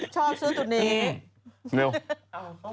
ชอบซื้อตัวนี้